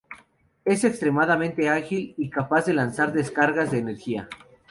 Es extremadamente ágil y capaz de lanzar descargas de energía.